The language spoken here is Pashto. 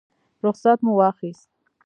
رخصت مو واخیست.